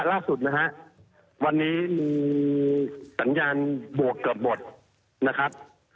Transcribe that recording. ล่าสุดนะฮะวันนี้มีสัญญาณบวกเกือบหมดนะครับ